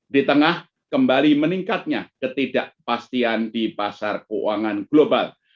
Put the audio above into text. di tengah kembali meningkatnya ketidakpastian di pasar keuangan global